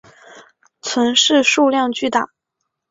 存世数量巨大。